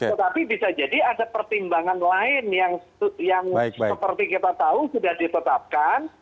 tetapi bisa jadi ada pertimbangan lain yang seperti kita tahu sudah ditetapkan